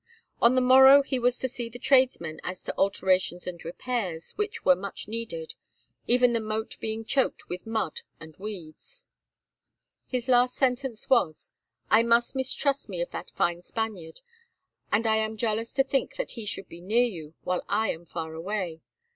On the morrow he was to see the tradesmen as to alterations and repairs which were much needed, even the moat being choked with mud and weeds. His last sentence was: "I much mistrust me of that fine Spaniard, and I am jealous to think that he should be near to you while I am far away.